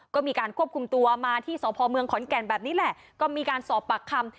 ก็มีการควบคุมตัวมาที่สพเมืองขอนแก่นแบบนี้แหละก็มีการสอบปากคำ